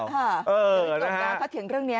โดยกดการทักเถียงเรื่องนี้